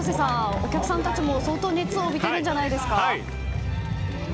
お客さんたちも相当熱を帯びてるんじゃないですか？